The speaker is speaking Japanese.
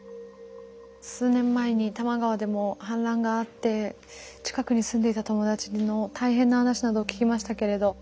数年前に多摩川でも氾濫があって近くに住んでいた友達の大変な話などを聞きましたけれど。